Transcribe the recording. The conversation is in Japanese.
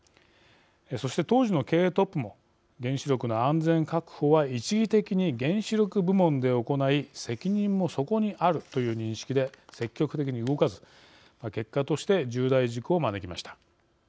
そして、当時の経営トップも原子力の安全確保は一義的に原子力部門で行い責任もそこにあるという認識で積極的に動かず結果として重大事故を招きました。